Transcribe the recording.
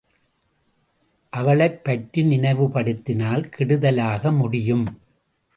அவளைப் பற்றி நினைவுபடுத்தினால் கெடுதலாக முடியும்.